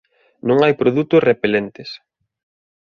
Non hai produtos repelentes.